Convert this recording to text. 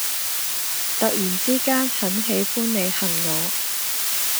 突然之間很喜歡你恨我